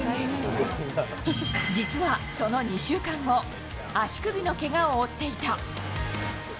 実はその２週間後、足首のけがを負っていた。